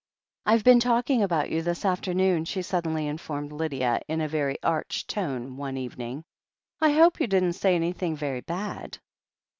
"Fve been talking about you this afternoon," she suddenly informed Lydia in a very arch tone one evening. "I hope you didn't say anything very bad?"